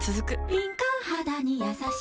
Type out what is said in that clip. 敏感肌にやさしい